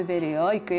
いくよ。